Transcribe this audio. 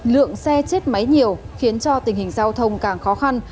lượng xe chết máy nhiều khiến cho tình hình giao thông càng khó khăn